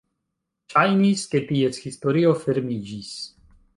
Ŝajnis, ke ties historio fermiĝis.